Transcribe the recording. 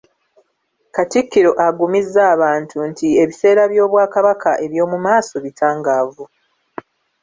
Katikkiro agumizza abantu nti ebiseera by’Obwakabaka eby’omumaaso bitangaavu